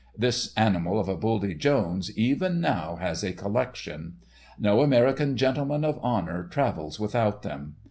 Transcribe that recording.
'This Animal of a Buldy Jones,' even now has a collection. No American gentleman of honour travels without them.